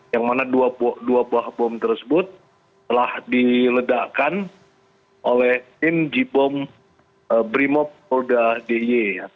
yang mana dua buah bom tersebut telah diledakkan oleh tim jibom brimob oda diy